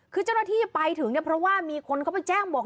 คือเจ้าหน้าที่ไปถึงเนี่ยเพราะว่ามีคนเขาไปแจ้งบอก